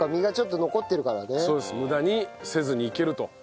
無駄にせずにいけると。